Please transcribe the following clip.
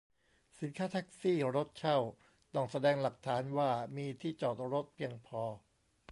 สินค้า แท็กซี่ รถเช่า ต้องแสดงหลักฐานว่ามีที่จอดรถเพียงพอ